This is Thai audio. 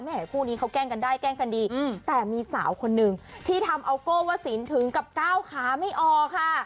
คู่นี้เขาแกล้งกันได้แกล้งกันดีแต่มีสาวคนหนึ่งที่ทำเอาโก้วสินถึงกับก้าวขาไม่ออกค่ะ